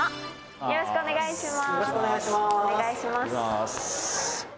よろしくお願いします。